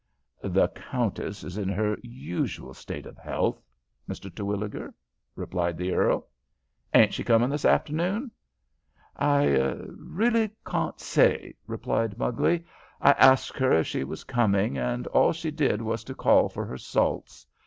"The countess is in her usual state of health, Mr. Terwilliger," returned the earl. "Ain't she coming this afternoon?" "I really can't say," answered Mugley. "I asked her if she was coming, and all she did was to call for her salts.